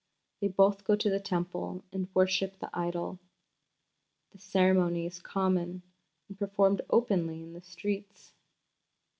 They both go to the Temple and worship the idol. This ceremony is common, and performed openly in the streets."